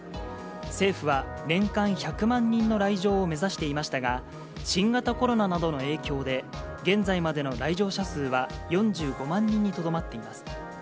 政府は、年間１００万人の来場を目指していましたが、新型コロナなどの影響で、現在までの来場者数は４５万人にとどまっています。